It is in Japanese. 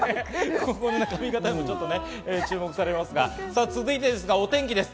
髪形にも注目されますが、続いてですが、お天気です。